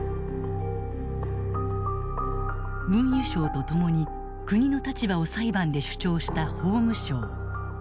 運輸省と共に国の立場を裁判で主張した法務省。